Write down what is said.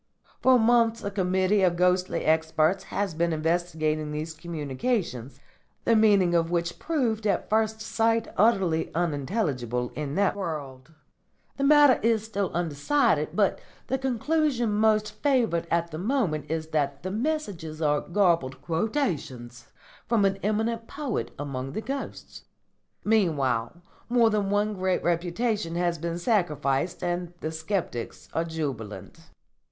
For months a committee of ghostly experts has been investigating these communications, the meaning of which proved at first sight utterly unintelligible in that world. The matter is still undecided; but the conclusion most favoured at the moment is that the messages are garbled quotations from an eminent poet among the ghosts. Meanwhile more than one great reputation has been sacrificed and the sceptics are jubilant."